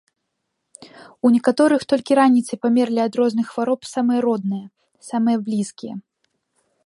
У некаторых толькі раніцай памерлі ад розных хвароб самыя родныя, самыя блізкія.